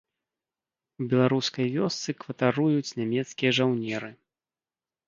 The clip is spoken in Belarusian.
У беларускай вёсцы кватаруюць нямецкія жаўнеры.